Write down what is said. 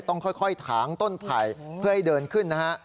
ต้องค่อยถางต้นไผ่เพื่อให้เดินขึ้นนะฮะ